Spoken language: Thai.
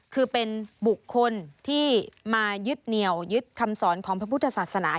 คือเป็นบุคคลที่มายึดเหนียวยึดคำสอนของพระพุทธศาสนา